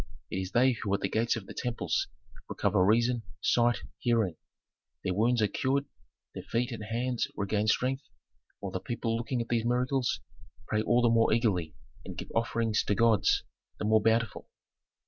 It is they who at the gates of the temples, recover reason, sight, hearing; their wounds are cured, their feet and hands regain strength, while the people looking at these miracles pray all the more eagerly and give offerings to gods the more bountiful.